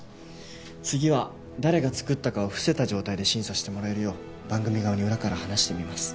次は誰が作ったかを伏せた状態で審査してもらえるよう番組側に裏から話してみます。